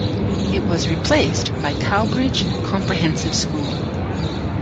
It was replaced by Cowbridge Comprehensive School.